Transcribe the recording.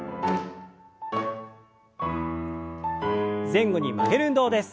前後に曲げる運動です。